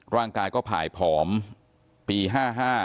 ร่างกายก็ผ่ายไปแล้วนะครับ